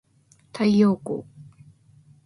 太陽光